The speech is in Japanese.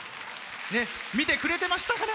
見てくれてましたかね？